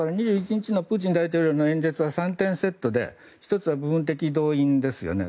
２１日のプーチン大統領の演説は３点セットで１つは部分的動員ですよね。